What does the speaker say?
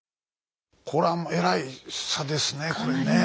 これはえらい差ですねこれねえ。